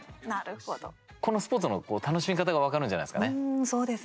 このスポーツの楽しみ方が分かるんじゃないですかね。